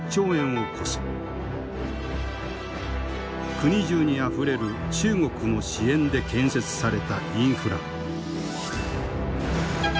国中にあふれる中国の支援で建設されたインフラ。